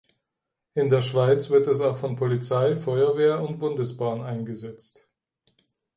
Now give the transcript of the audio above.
In der Schweiz wird es auch von Polizei, Feuerwehr und Bundesbahn eingesetzt.